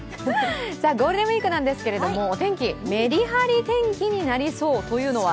ゴールデンウイークですけれども、天気、メリハリ天気になりそうというのは？